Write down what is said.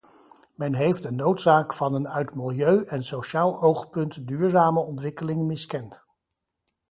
Men heeft de noodzaak van een uit milieu- en sociaal oogpunt duurzame ontwikkeling miskend.